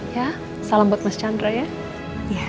ya salam buat mas chandra ya